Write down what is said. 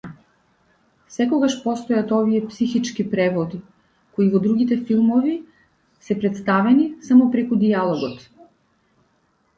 Секогаш постојат овие психички преводи, кои во другите филмови се претставени само преку дијалогот.